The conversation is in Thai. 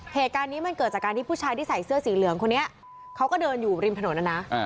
เหตุการณ์นี้มันเกิดจากการที่ผู้ชายที่ใส่เสื้อสีเหลืองคนนี้เขาก็เดินอยู่ริมถนนนะนะ